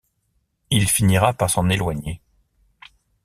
Il finira par s'en éloigner.